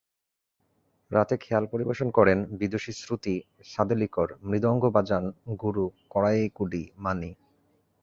রাতে খেয়াল পরিবেশন করেন বিদুষী শ্রুতি সাদেলিকর, মৃদঙ্গ বাজান গুরু কড়াইকুডি মানি।